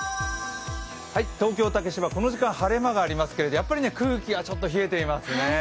東京竹芝、この時間晴れ間がありますけれども、やっぱり空気はちょっと冷えていますね。